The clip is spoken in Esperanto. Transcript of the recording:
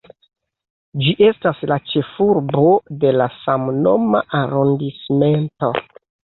Ĝi estas la ĉefurbo de la samnoma arondismento.